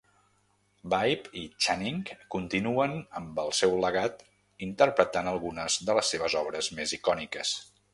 Bibbe i Channing continuen amb el seu legat interpretant algunes de les seves obres més icòniques.